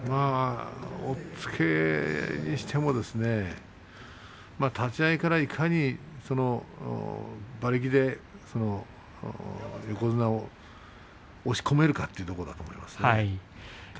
押っつけにしても立ち合いからいかに馬力で横綱を押し込めるかというところだと思います。